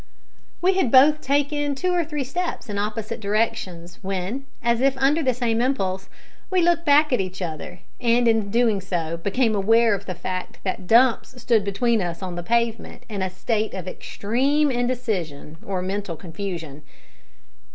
We had both taken two or three steps in opposite directions, when, as if under the same impulse, we looked back at each other, and in so doing became aware of the fact that Dumps stood between us on the pavement in a state of extreme indecision or mental confusion.